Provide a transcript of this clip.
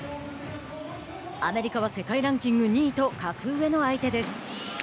アメリカは世界ランキング２位と格上の相手です。